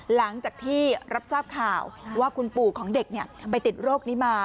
หลังจากที่รับทราบข่าวว่าคุณปู่ของเด็กไปติดโรคนี้มา